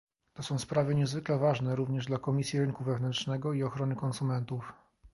To są sprawy niezwykle ważne, również dla Komisji Rynku Wewnętrznego i Ochrony Konsumentów